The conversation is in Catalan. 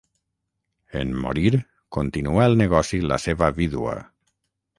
En morir, continuà el negoci la seva vídua.